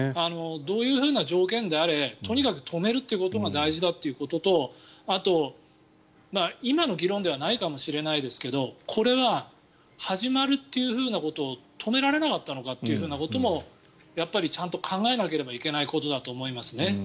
どういう条件であれとにかく止めるということが大事だということとあと、今の議論ではないかもしれませんがこれが始まるということを止められなかったのかということもやっぱりちゃんと考えなければいけないことだと思いますね。